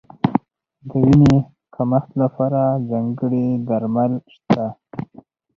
د وینې کمښت لپاره ځانګړي درمل شته.